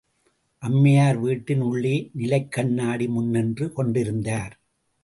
அம்மையார் வீட்டின் உள்ளே நிலைக் கண்ணாடி முன் நின்று கொண்டிருந்தார்.